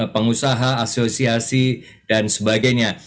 pengusaha asosiasi dan sebagainya